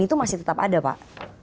itu masih tetap ada pak